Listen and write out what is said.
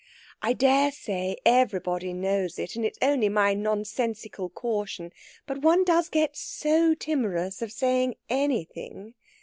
"I dare say everybody knows it, and it's only my nonsensical caution. But one does get so timorous of saying anything.